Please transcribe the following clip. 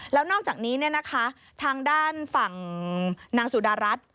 แล้วนอกจากนี้ทางด้านฝั่งนางสุดารัฐ